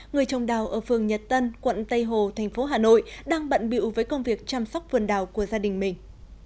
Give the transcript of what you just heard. người trồng đào ở phường nhật tân quận tây hồ thành phố hà nội đang bận biệu với công việc chăm sóc vườn đào của gia đình mình